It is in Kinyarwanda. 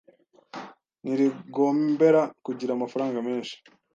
ntirigombera kugira amafaranga menshi